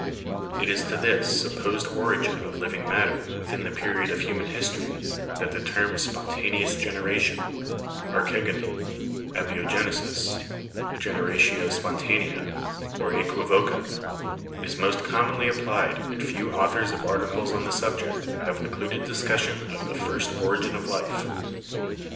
It is to this supposed origin of living matter within the period of human history that the term 'spontaneous generation' ('archegony,' 'abiogenesis/ 'generatio spontanea' or 'aequivoca') is most commonly applied and few authors of articles on the subject have included discussion of the first origin of life.